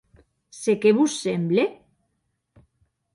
Se qué vos semble?